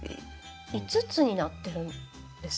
５つになってるんですね。